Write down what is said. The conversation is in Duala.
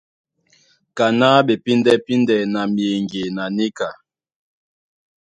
Kaná ɓepíndɛ́píndɛ na myeŋge na níka.